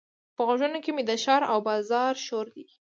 په غوږونو کې مې د ښار او بازار شور دی.